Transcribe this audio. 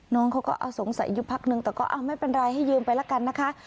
น้องเขาก็เอาสงสัยอยู่พักนึงแต่ก็เอาไม่เป็นไรให้ยืมไปละกันนะคะ